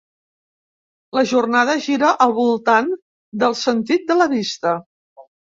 La jornada gira al voltant del sentit de la vista.